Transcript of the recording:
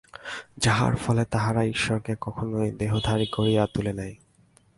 যাহার ফলে তাহারা ঈশ্বরকে কখনও দেহধারী করিয়া তুলে নাই।